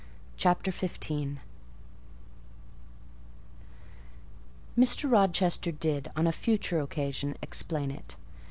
CHAPTER XV Mr. Rochester did, on a future occasion, explain it.